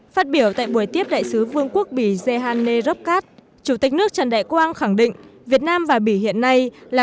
phát biểu tại buổi tiếp đại sứ vương quốc bỉ ghene robkat chủ tịch nước trần đại quang khẳng định việt nam và bỉ hiện nay là